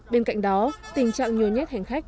bên cạnh đó tình trạng nhiều nhất hành khách